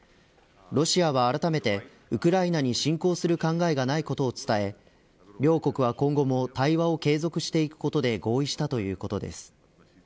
ロシアはあらためてウクライナに侵攻する考えがないことを伝え両国は今後も対話を継続していくことで合意したということです。